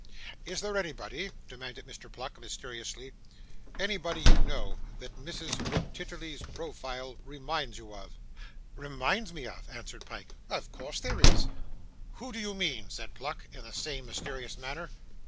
'Is there anybody,' demanded Mr. Pluck, mysteriously, 'anybody you know, that Mrs. Wititterly's profile reminds you of?' 'Reminds me of!' answered Pyke. 'Of course there is.' 'Who do you mean?' said Pluck, in the same mysterious manner. 'The D. of B.?